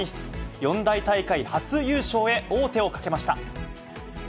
四大大会初優勝へ王手をかけました。